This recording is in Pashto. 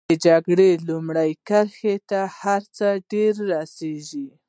د جګړې لومړۍ کرښې ته هر څه ډېر رسېږي.